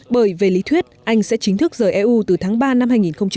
bởi về lý thuyết anh sẽ chính thức rời eu từ tháng ba năm hai nghìn một mươi chín